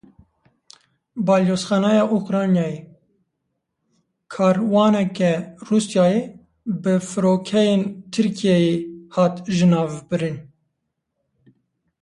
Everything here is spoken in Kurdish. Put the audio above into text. Balyozxaneya Ukraynayê: Karwaneke Rûsyayê bi firokeyên Tirkiyeyê hat jinavbirin.